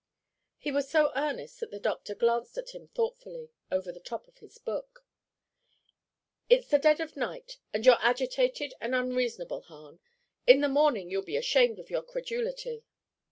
He was so earnest that the doctor glanced at him thoughtfully over the top of his book. "It's the dead of night, and you're agitated and unreasonable, Hahn. In the morning you'll be ashamed of your credulity."